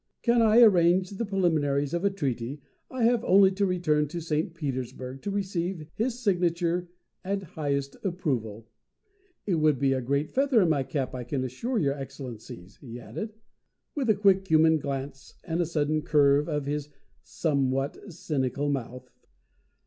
Can I arrange the preliminaries of a treaty, I have only to return to St. Petersburg to receive his signature and highest approval. It would be a great feather in my cap I can assure your excellencies," he added, with a quick human glance and a sudden curve of his somewhat cynical mouth.